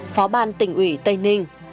phó ban tỉnh ủy tây ninh